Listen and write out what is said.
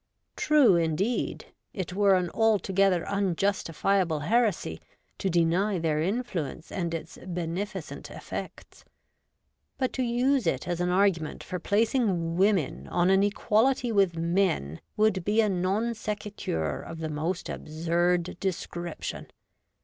True, indeed, it were an alto gether unjustifiable heresy to deny their influence and its beneficent effects ; but to use it as an argu ment for placing women on an equality with men would be a non sequiiur of the most absurd descrip tion.